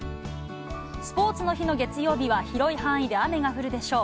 スポーツの日の月曜日は、広い範囲で雨が降るでしょう。